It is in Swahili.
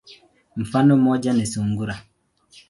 Mfano moja ni sungura.